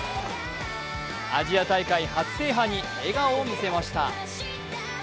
アジア大会初制覇に笑顔を見せました。